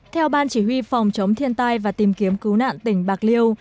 theo ban chỉ huy phòng chống thiên tai và tìm kiếm cứu nạn tỉnh bạc liêu